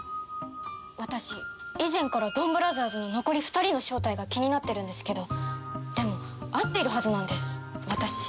私以前からドンブラザーズの残り２人の正体が気になってるんですけどでも会っているはずなんです私キジさんとは。